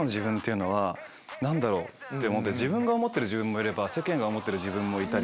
自分が思ってる自分もいれば世間が思ってる自分もいたり。